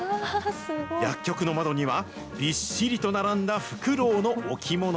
薬局の窓には、びっしりと並んだフクロウの置物。